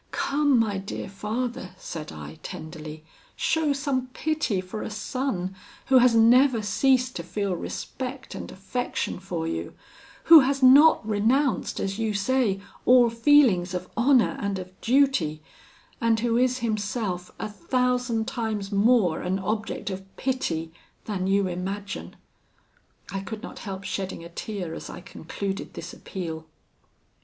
Come, my dear father,' said I tenderly, 'show some pity for a son, who has never ceased to feel respect and affection for you who has not renounced, as you say, all feelings of honour and of duty, and who is himself a thousand times more an object of pity than you imagine.' I could not help shedding a tear as I concluded this appeal.